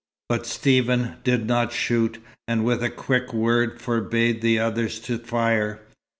But Stephen did not shoot, and with a quick word forbade the others to fire.